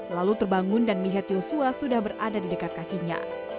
lalu terbangun dan melihat yosua sudah berada di dekat kakinya